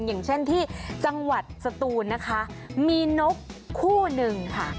อย่างเช่นที่จังหวัดสตูนนะคะมีนกคู่หนึ่งค่ะ